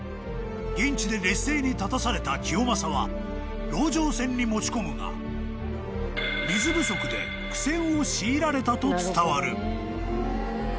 ［現地で劣勢に立たされた清正は籠城戦に持ち込むが水不足で苦戦を強いられたと伝わる］